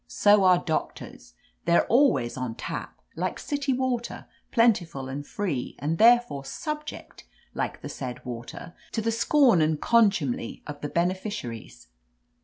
So are doctors. They're always on tap, like city water, plentiful and free and therefore subject, like the said water, to the scorn and contumely of the beneficiaries."